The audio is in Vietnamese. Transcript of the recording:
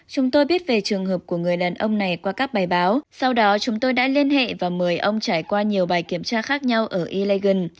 chúng tôi biết về trường hợp của người đàn ông này qua các bài báo sau đó chúng tôi đã liên hệ và mời ông trải qua nhiều bài kiểm tra khác nhau ở illegen